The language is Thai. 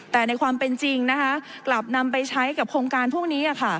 แต่ในความเป็นจริงกลับนำไปใช้กับโครงการพวกนี้